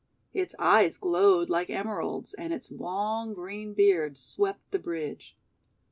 Its eyes glowed like Emeralds, and its long green beard swept the bridge.